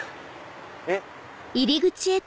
えっ？